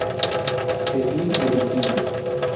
Cecil Medicina.